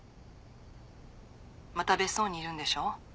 また別荘にいるんでしょ。